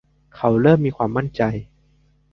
เขาเริ่มมีความมั่นใจ